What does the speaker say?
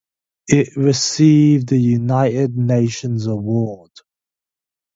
It received a United Nations Award.